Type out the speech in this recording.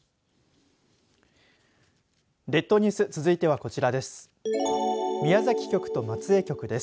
列島ニュース続いてはこちらです。